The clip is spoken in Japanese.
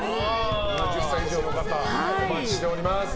７０歳以上の方お待ちしております。